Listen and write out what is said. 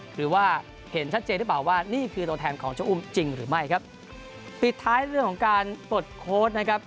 หรือว่าเห็นชัดเจนหรือเปล่าว่านี่คือตัวแทนของเจ้าอุ้มจริงหรือไม่ครับปิดท้ายเรื่องของการปลดโค้ดนะครับ